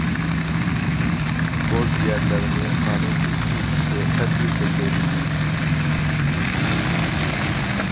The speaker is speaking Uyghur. بوز يەرلەرنى قانۇنسىز ئېچىشنى قەتئىي چەكلەيمىز.